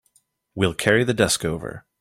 We'll carry the desk over.